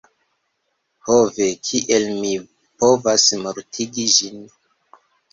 Ho ve! Kiel mi povas mortigi ĝin?